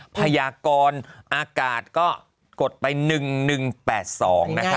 พยากรอากาศก็กดไปหนึ่งหนึ่งแปดสองนะคะ